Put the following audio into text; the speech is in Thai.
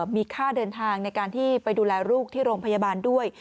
มีค่าเดินทางในการที่ไปดูแลลูกที่โรงพยาบาลด้วย